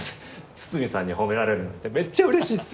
筒見さんに褒められるなんてめっちゃ嬉しいっす。